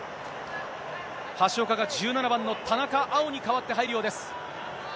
橋岡が１７番の田中碧に代わって入るようです。